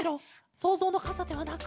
そうぞうのかさではなく？